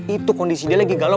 itu kondisinya lagi galau